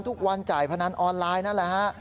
ทุกวันจ่ายพนันออนไลน์นั่นแหละฮะ